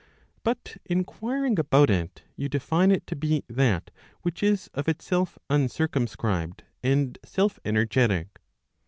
But inquiring about it, you define it to be that which is of itself uncircumscribed,' and self energetic.